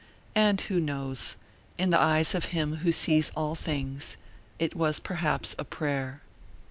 And who knows? In the eyes of Him who sees all things, it was perhaps a prayer.